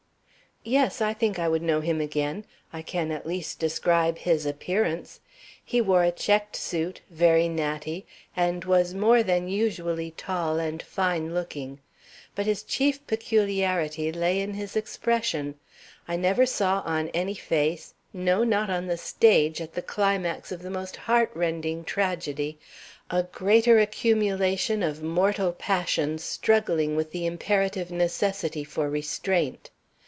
"Yes, I think I would know him again. I can at least describe his appearance. He wore a checked suit, very natty, and was more than usually tall and fine looking. But his chief peculiarity lay in his expression. I never saw on any face, no, not on the stage, at the climax of the most heart rending tragedy, a greater accumulation of mortal passion struggling with the imperative necessity for restraint.